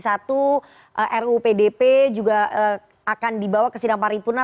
ruu pdp juga akan dibawa ke sinamparipuna